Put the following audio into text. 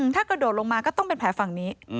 ถ้ากระโดดลงมาก็ต้องเป็นแผลฝั่งนี้